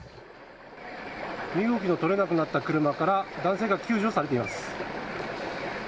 身動きの取れなくなった車から男性が救助されています。